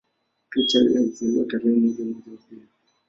Richard alizaliwa tarehe moja mwezi wa pili